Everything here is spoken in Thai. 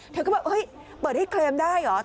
เธอก็บอกเปิดให้เคลมได้เหรอ